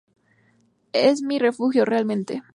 Es mi refugio, realmente.